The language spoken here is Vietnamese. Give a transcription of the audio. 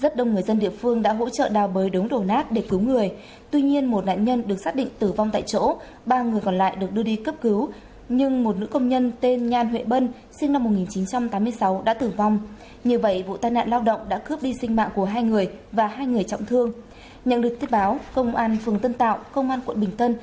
các bạn hãy đăng ký kênh để ủng hộ kênh của chúng mình nhé